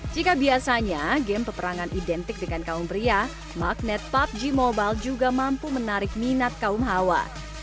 jika biasanya game peperangan identik dengan kaum pria magnet pubg mobile juga mampu menarik minat kaum hawa